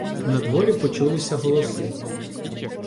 Надворі почулися голоси.